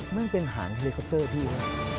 มันเป็นหางทาเลคอตเตอร์พี่ด้วย